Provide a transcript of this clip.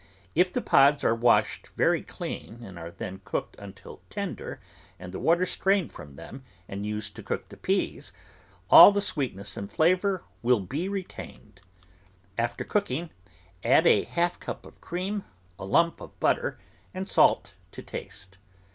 If the pods are washed very clean and are then cooked until tender and the water strained from them and used to cook the peas, all the sweetness and flavour will be retained. After cooking, add half a cup of cream, a lump of butter, and salt to taste.